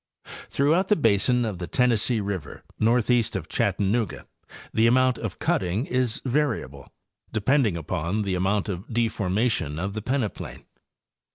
Throughout the basin of the Tennessee river northeast of Chattanooga the amount of cutting is variable, depending upon the amount of deformation of the peneplain.